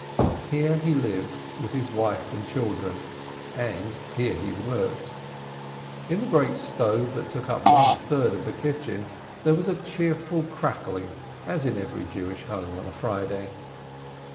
Here he lived with his wife and children, and here he worked. In the great stove that took up one third of the kitchen there was a cheerful crackling, as in every Jewish home on a Friday.